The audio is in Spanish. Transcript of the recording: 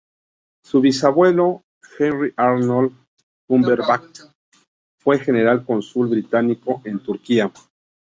Su bisabuelo, Henry Arnold Cumberbatch, fue general cónsul británico en Turquía.